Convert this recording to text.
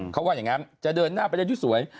เขาว่าอย่างนั้นจะเดินหน้าไปเล่นที่สวย